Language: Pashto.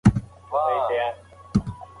هغه خلک چې خاندي، روغتیا یې ښه وي.